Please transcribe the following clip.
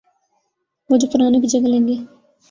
وہ جو پرانوں کی جگہ لیں گے۔